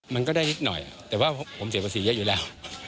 มันก็ได้นิดหน่อยแต่ว่าผมเสียภาษีเยอะอยู่แล้ว